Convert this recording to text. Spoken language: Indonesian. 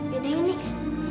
yaudah yuk nih